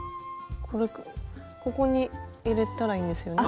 これここに入れたらいいんですよね？